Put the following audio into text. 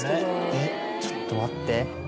えっちょっと待って。